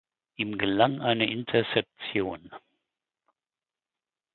Ihm gelang eine Interception.